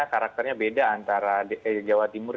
karakternya beda antara jawa timur